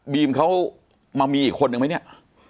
เขามามีอีกคนนึงไหมเนี่ย